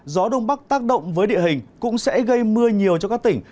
gió đông bắc tác động với địa hình cũng sẽ gây mưa nhiều cho các tỉnh